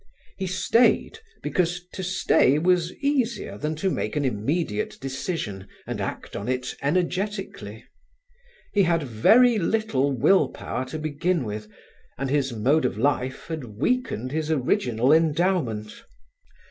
He stayed because to stay was easier than to make an immediate decision and act on it energetically. He had very little will power to begin with and his mode of life had weakened his original endowment.